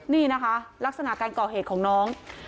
นี่นะคะลักษณะการก่อเหตุของน้อง